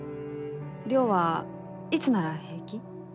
稜はいつなら平気？